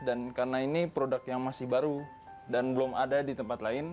dan karena ini produk yang masih baru dan belum ada di tempat lain